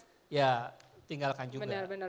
kita tinggalkan juga